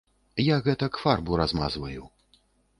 Я гэтак фарбу размазваю.